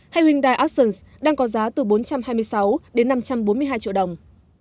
hay hyundai accent đang có giá từ bốn trăm hai mươi sáu năm trăm bốn mươi hai triệu đồng